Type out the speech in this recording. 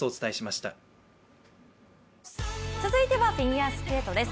続いてはフィギュアスケートです。